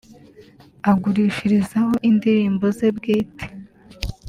agurishirizaho indirimbo ze bwite